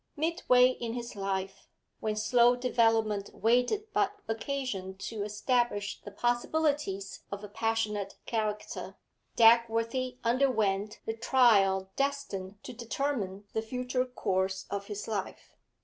Midway in his life, when slow development waited but occasion to establish the possibilities of a passionate character, Dagworthy underwent the trial destined to determine the future course of his life.